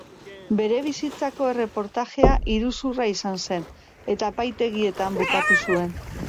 Bere bizitzako erreportajea iruzurra izan zen, eta epaitegietan bukatu zuen.